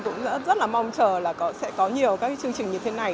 cũng rất là mong chờ là sẽ có nhiều các chương trình như thế này